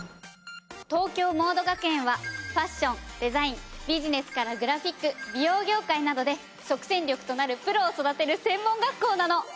東京モード学園はファッションデザインビジネスからグラフィック美容業界などで即戦力となるプロを育てる専門学校なの。